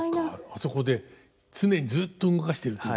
あそこで常にずっと動かしてると。